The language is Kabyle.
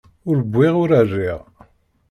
Ur wwiɣ ur rriɣ.